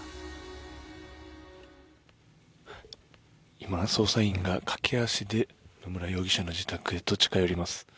今、捜査員が駆け足で、野村容疑者の自宅へと近寄ります。